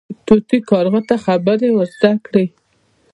طوطي کارغه ته خبرې ور زده کړې.